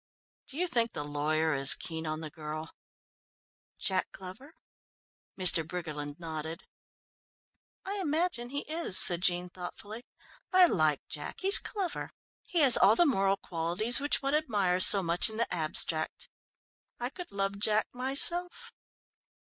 "Do you think the lawyer is keen on the girl?" "Jack Glover?" Mr. Briggerland nodded. "I imagine he is," said Jean thoughtfully. "I like Jack he's clever. He has all the moral qualities which one admires so much in the abstract. I could love Jack myself."